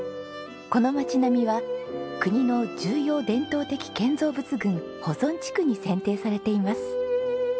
この町並みは国の重要伝統的建造物群保存地区に選定されています。